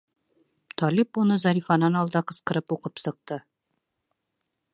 Талип уны Зарифанан алда ҡысҡырып уҡып сыҡты: